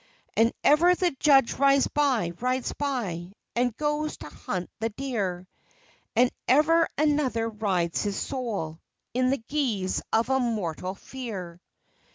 And ever the judge rides by, rides by, And goes to hunt the deer, And ever another rides his soul In the guise of a mortal fear.